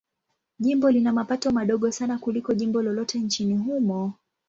Jimbo lina mapato madogo sana kuliko jimbo lolote nchini humo.